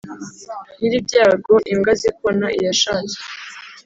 nyiribyago imbwa zikona iyashatse